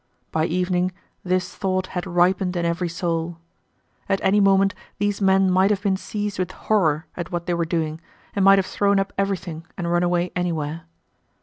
By evening this thought had ripened in every soul. At any moment these men might have been seized with horror at what they were doing and might have thrown up everything and run away anywhere.